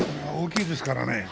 大きいですからね。